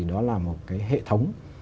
đó là một hệ thống